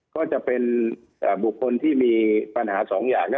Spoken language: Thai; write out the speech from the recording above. ก็จะเป็นบุคคลที่มีปัญหาสองอย่าง